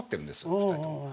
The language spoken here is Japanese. ２人とも。